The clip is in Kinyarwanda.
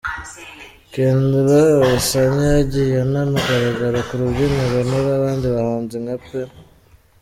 Kendra Oyesanya yagiye anagaragara ku rubyiniro rw’abandi bahanzi nka P.